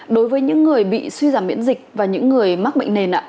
đối với những người bị suy giảm miễn dịch và những người mắc bệnh nền ạ